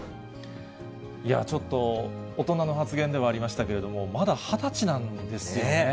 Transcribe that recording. いや、ちょっと大人の発言ではありましたけれども、まだ２０歳なんですよね。